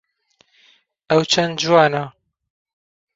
ئەو چەند جوانە!